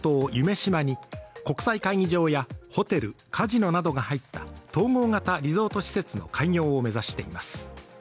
洲に国際会議場やホテル、カジノなどが入った統合型リゾート施設の開業を目指しています。